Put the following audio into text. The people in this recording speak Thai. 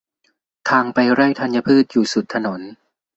ทางไปไร่ธัญพืชอยู่สุดถนน